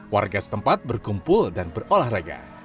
warga setempat berkumpul dan berolahraga